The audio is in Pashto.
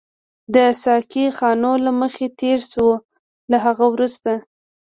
د ساقي خانو له مخې تېر شوو، له هغه وروسته.